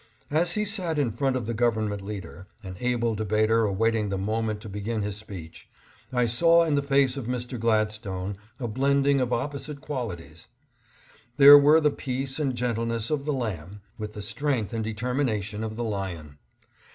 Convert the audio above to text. As he sat in front of the Government leader, an able debater awaiting the moment to begin his speech, I saw in the face of Mr. Gladstone a blending of opposite qualities. There were the peace and gentleness of the lamb, with the strength and determination of the lion.